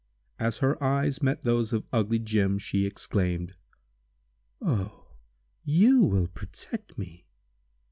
As her eyes met those of "ugly Jim," she exclaimed: "Oh! you will protect me?"